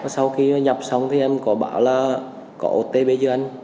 sau khi nhập xong thì em có bảo là có otp chưa anh